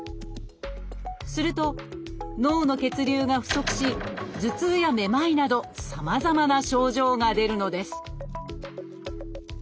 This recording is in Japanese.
すると脳の血流が不足し頭痛やめまいなどさまざまな症状が出るのです